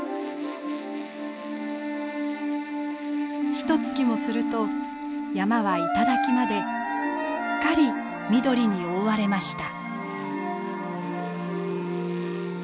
ひとつきもすると山は頂まですっかり緑に覆われました。